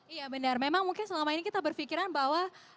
iya benar memang mungkin selama ini kita berpikiran bahwa